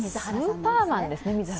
スーパーマンですね。